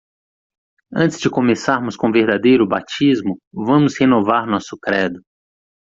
Antes de começarmos com o verdadeiro batismo?, vamos renovar nosso credo.